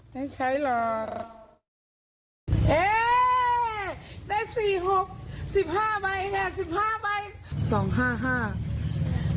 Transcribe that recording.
ได้ใช้หรอเอ๊ได้สี่หกสิบห้าใบค่ะสิบห้าใบสองห้าห้า